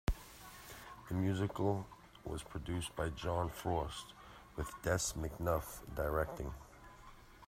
The musical was produced by John Frost with Des McAnuff directing.